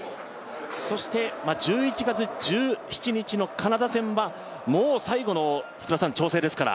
そして１１月１７日のカナダ戦はもう最後の調整ですから。